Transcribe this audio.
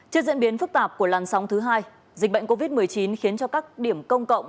trước diễn biến phức tạp của làn sóng thứ hai dịch bệnh covid một mươi chín khiến cho các điểm công cộng